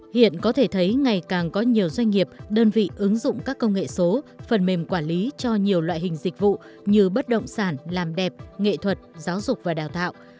hiện có thể thấy ngày càng có nhiều doanh nghiệp đơn vị ứng dụng các công nghệ số phần mềm quản lý cho nhiều loại hình dịch vụ như bất động sản làm đẹp nghệ thuật giáo dục và đào tạo